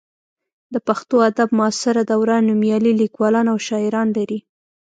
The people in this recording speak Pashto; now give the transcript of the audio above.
د پښتو ادب معاصره دوره نومیالي لیکوالان او شاعران لري.